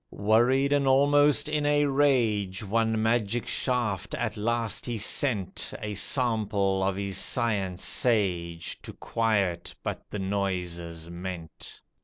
Worried and almost in a rage, One magic shaft at last he sent, A sample of his science sage, To quiet but the noises meant.